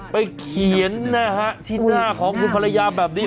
ไปเขียนนะฮะที่หน้าของคุณภรรยาแบบนี้